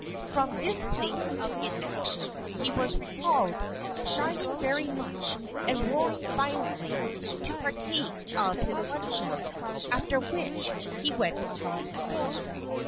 From this place of inaction, he was recalled, shining very much, and roaring violently, to partake of his luncheon. After which, he went to sleep again.